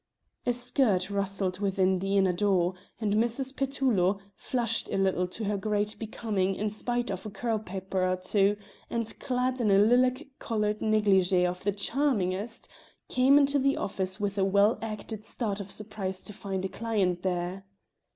A skirt rustled within the inner door, and Mrs. Petullo, flushed a little to her great becoming in spite of a curl paper or two, and clad in a lilac coloured negligee of the charmingest, came into the office with a well acted start of surprise to find a client there.